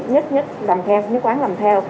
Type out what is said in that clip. nhất nhất làm theo nhất quán làm theo